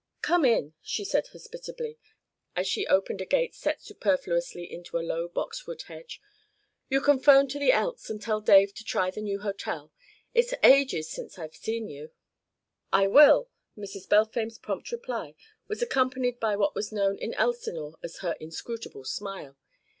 "Come in," she said hospitably, as she opened a gate set superfluously into the low boxwood hedge. "You can 'phone to the Elks' and tell Dave to try the new hotel. It's ages since I've seen you." "I will!" Mrs. Balfame's prompt reply was accompanied by what was known in Elsinore as her inscrutable smile.